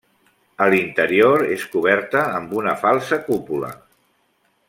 A l'interior és coberta amb una falsa cúpula.